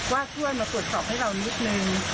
ช่วยมาตรวจสอบให้เรานิดนึง